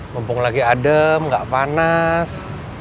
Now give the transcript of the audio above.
mumpung lagi adem nggak panas